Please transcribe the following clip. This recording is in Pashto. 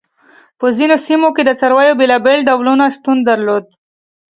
په ځینو سیمو کې د څارویو بېلابېل ډولونه شتون درلود.